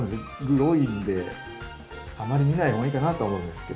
グロいんであまり見ない方がいいかなとは思うんですけど。